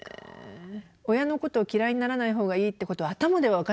親のことを嫌いにならない方がいいってことは頭では分かってるんですよ